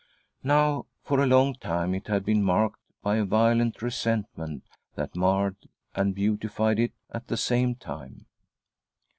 Now for a long time it had been marked . by a violent resentment, that marred and beautified it at the same time.